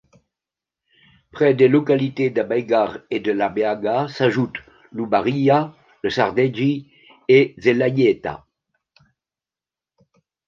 Près des localités d'Abaigar et de Labeaga s'ajoutent l'Ubaria, le Sardegi et Zelaieta.